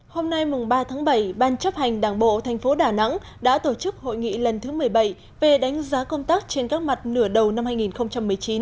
hôm nay mùng ba tháng bảy ban chấp hành đảng bộ tp đà nẵng đã tổ chức hội nghị lần thứ một mươi bảy về đánh giá công tác trên các mặt nửa đầu năm hai nghìn một mươi chín